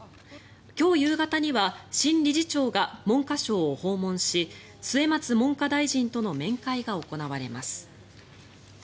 今日夕方には新理事長が文科省を訪問し末松文科大臣との面会が行われます。